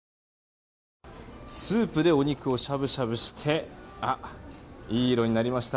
スープでお肉をしゃぶしゃぶしていい色になりました。